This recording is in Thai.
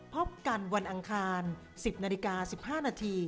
พบกันวันอังคาร๑๐นาฬิกา๑๕นาที